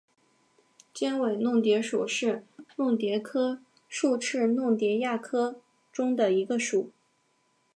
尖尾弄蝶属是弄蝶科竖翅弄蝶亚科中的一个属。